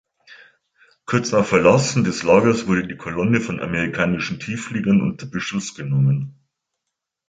Kurz nach Verlassen des Lagers wurde die Kolonne von amerikanischen Tieffliegern unter Beschuss genommen.